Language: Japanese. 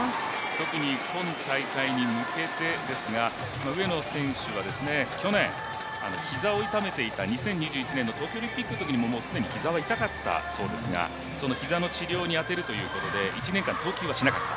特に今大会に向けてですが上野選手は去年、膝を痛めていた２０２１年の東京オリンピックのときにすでに膝は痛かったそうですが膝の治療に当てるということで、１年間、投球はしなかった。